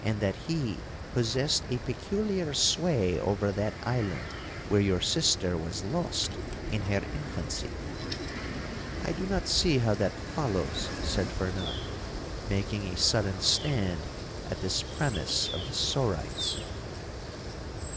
'—'And that he possessed a peculiar sway over that island where your sister was lost in her infancy?'—'I do not see how that follows,' said Fernan, making a sudden stand at this premise of the Sorites.